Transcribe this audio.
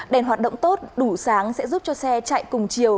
đèn hoạt động tốt đủ sáng sẽ giúp cho xe chạy cùng chiều